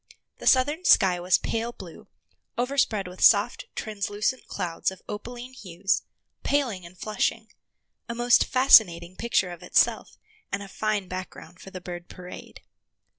The southern sky was pale blue, overspread with soft, translucent clouds of opaline hues, paling and flushing—a most fascinating picture of itself, and a fine background for the bird parade.